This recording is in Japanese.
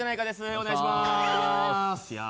お願いしまー